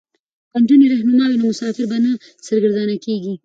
که نجونې رهنما وي نو مسافر به نه سرګردانه کیږي.